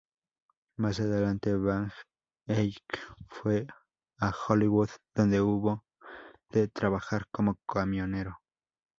Más adelante Van Eyck fue a Hollywood, donde hubo de trabajar como camionero.